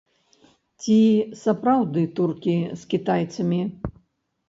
Ці сапраўды туркі з кітайцамі?